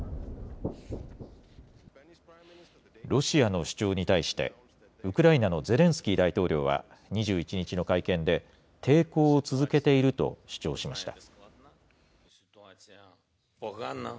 ロシアの主張に対して、ウクライナのゼレンスキー大統領は２１日の会見で、抵抗を続けていると主張しました。